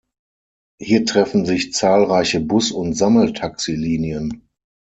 Hier treffen sich zahlreiche Bus- und Sammeltaxi-Linien.